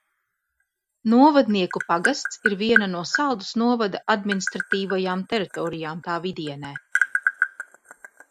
Novadnieku pagasts ir viena no Saldus novada administratīvajām teritorijām tā vidienē.